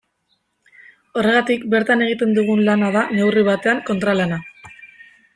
Horregatik bertan egiten dugun lana da, neurri batean, kontralana.